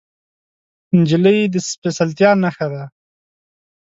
نجلۍ د سپیڅلتیا نښه ده.